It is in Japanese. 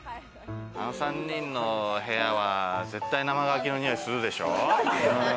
あの３人の部屋は絶対、生乾きのにおいするでしょ？